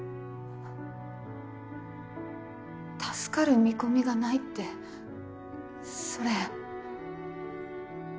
助かる見込みがないってそれ。